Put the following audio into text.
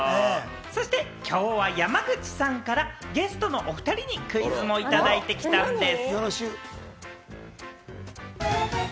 そしてきょうは山口さんからゲストのお２人にクイズもいただいてきたんでぃす！